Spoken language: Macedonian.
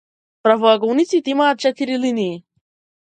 Правоаголниците имаат четири линии.